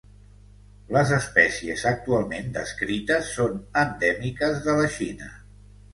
Les espècies actualment descrites són endèmiques de la Xina.